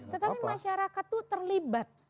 tetapi masyarakat itu terlibat